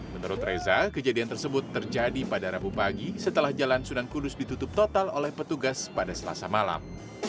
menurut reza kejadian tersebut terjadi pada rabu pagi setelah jalan sunan kudus ditutup total oleh petugas pada selasa malam